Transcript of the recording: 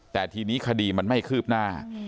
แต่ทีนี้คดีมันไม่คืบหน้า